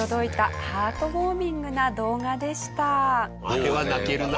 あれは泣けるな。